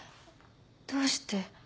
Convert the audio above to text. どうして。